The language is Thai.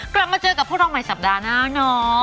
กลับมาเจอกับพวกเราใหม่สัปดาห์หน้าเนาะ